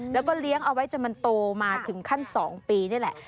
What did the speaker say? แล้วก็เลี้ยงเอาไว้จนมันโตมาถึงขั้น๒ปีนี่แหละ